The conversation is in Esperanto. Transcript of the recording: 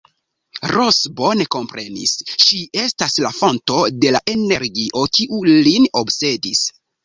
Ros bone komprenis, ŝi estas la fonto de la energio, kiu lin obsedis.